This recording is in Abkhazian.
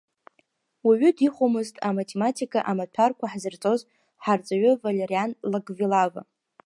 Уаҩы дихәомызт аматематика амаҭәарқәа ҳзырҵоз ҳарҵаҩы Валериан Лагвилава.